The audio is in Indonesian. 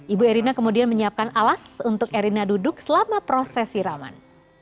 ibu erina kemudian menyiapkan alas untuk erina duduk selama proses siraman